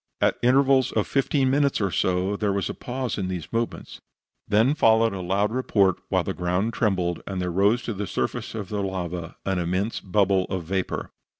At intervals of fifteen minutes or so, there was a pause in these movements. Then followed a loud report, while the ground trembled, and there rose to the surface of the lava an immense bubble of vapor.